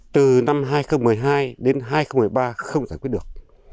từ năm hai nghìn một mươi hai đến hai nghìn một mươi ba không giải quyết được